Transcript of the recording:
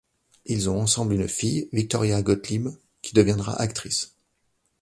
Ils ont ensemble une fille Viktoria Gottlieb qui deviendra actrice.